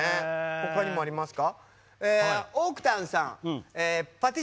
他にもありますか。